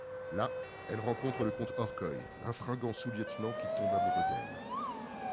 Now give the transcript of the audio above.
Là, elle rencontre le comte Horkoy, un fringant sous-lieutenant, qui tombe amoureux d'elle.